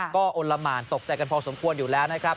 ก็อลละหมานตกใจกันพอสมควรอยู่แล้วนะครับ